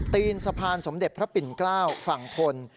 ตีนสะพานสมเด็จพระปิ่นเกล้าฝั่งทน